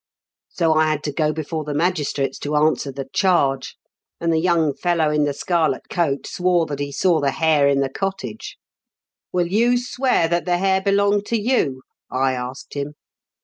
" So I had to go before the magistrates to answer the charge; and the young fellow in 128 m KENT WITH CHARLES DICKENS. the scarlet coat swore that he saw the hare in the cottage. "* Will you swear that the hare belonged to you ?' I asked him.